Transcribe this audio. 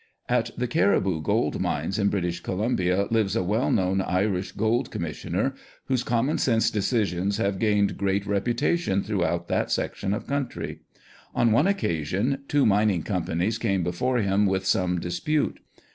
At the Cariboo gold mines in British Colum bia lives a well known Irish gold commissioner, whose common sense decisions have gained great reputation throughout that section of country. On one occasion two mining companies came before him with some dispute.